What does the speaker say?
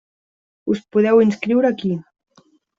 Us podeu inscriure aquí.